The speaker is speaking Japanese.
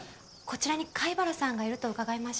こちらに貝原さんがいると伺いまして。